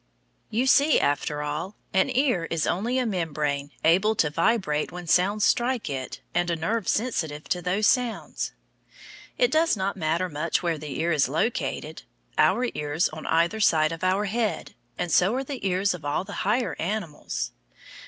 You see, after all, an ear is only a membrane able to vibrate when sounds strike it and a nerve sensitive to those sounds. It does not matter much where the ear is located. Our ears are on either side of our head, and so are the ears of all the higher animals.